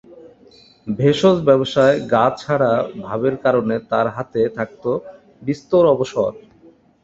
ভেষজ-ব্যবসায় গা-ছাড়া ভাবের কারণে তার হাতে থাকত বিস্তর অবসর।